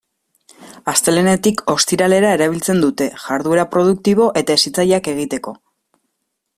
Astelehenetik ostiralera erabiltzen dute, jarduera produktibo eta hezitzaileak egiteko.